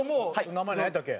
名前なんやったっけ？